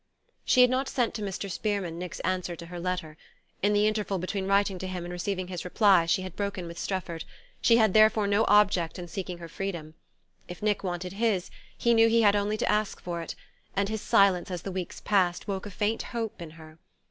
She had not sent to Mr. Spearman Nick's answer to her letter. In the interval between writing to him and receiving his reply she had broken with Strefford; she had therefore no object in seeking her freedom. If Nick wanted his, he knew he had only to ask for it; and his silence, as the weeks passed, woke a faint hope in her.